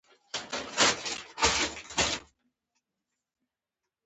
مخزومي لیکي چې د برټانیې صدراعظم سالیزبوري.